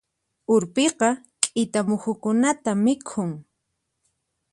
Urpiqa k'ita muhukunata mikhun.